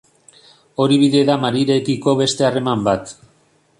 Hori bide da Marirekiko beste harreman bat.